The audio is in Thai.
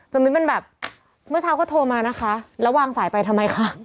มิ้นมันแบบเมื่อเช้าก็โทรมานะคะแล้ววางสายไปทำไมคะ